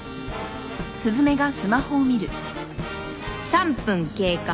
３分経過。